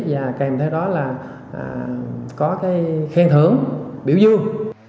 và kèm theo đó là có cái khen thưởng biểu dương